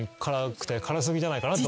辛過ぎじゃないかなと。